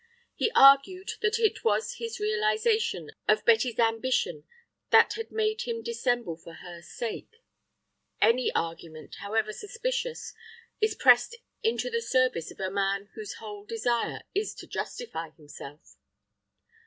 He argued that it was his realization of Betty's ambition that had made him dissemble for her sake. Any argument, however suspicious, is pressed into the service of a man whose whole desire is to justify himself.